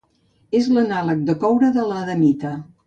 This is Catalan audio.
És l'anàleg de coure de l'adamita.